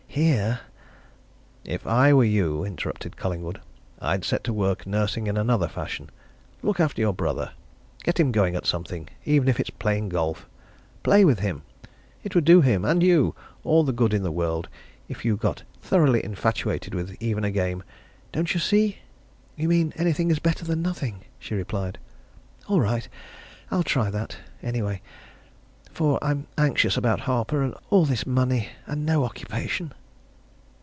Here " "If I were you," interrupted Collingwood, "I'd set to work nursing in another fashion. Look after your brother! Get him going at something even if it's playing golf. Play with him! It would do him and you all the good in the world if you got thoroughly infatuated with even a game. Don't you see?" "You mean anything is better than nothing," she replied. "All right I'll try that, anyway. For I'm anxious about Harper. All this money! and no occupation!"